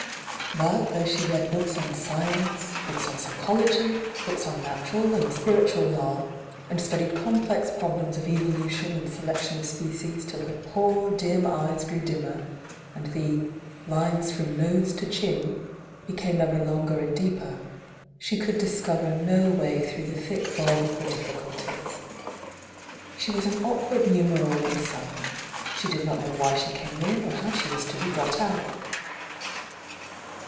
But though she read books on science, books on psychology, books on natural and spiritual law, and studied complex problems of evolution and selection of species till her poor dim eyes grew dimmer, and the "Unes from nose to chin" became ever longer and deeper, she could discover no way through the thick bog of her difficulties. She was an awkward numeral in a sum; she did not know why she came in or how she was to be got out.